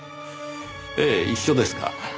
ええ一緒ですが。